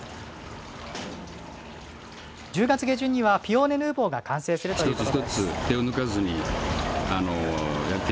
１０月下旬にはピオーネヌーボーが完成するということです。